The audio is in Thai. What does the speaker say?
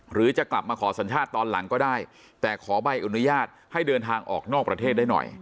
หรือจะกลับมาขอสัญชาติตอนหลังก็ได้แต่ขอใบอนุญาตให้เดินทางออกนอกประเทศได้หน่อย